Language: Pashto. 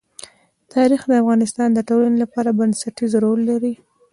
تاریخ د افغانستان د ټولنې لپاره بنسټيز رول لري.